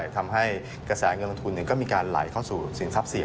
ทำให้กระแสเงินลงทุนก็มีการไหลเข้าสู่สินทรัพย์เสีย